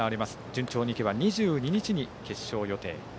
順調に行けば２２日に決勝予定。